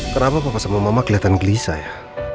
kenapa bapak sama mama kelihatan gelisah ya